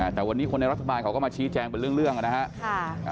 แต่วันนี้คนในรัฐบาลเขาก็มาชี้แจงเป็นเรื่องนะครับ